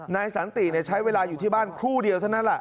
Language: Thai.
นายสันติใช้เวลาอยู่ที่บ้านครู่เดียวเท่านั้นแหละ